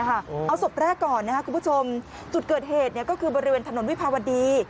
เอาศพแรกก่อนนะครับคุณผู้ชมจุดเกิดเหตุก็คือบริเวณถนนวิภาวดี